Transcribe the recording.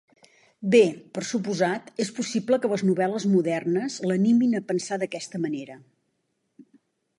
Bé, per suposat, és possible que les novel·les modernes l'animin a pensar d'aquesta manera.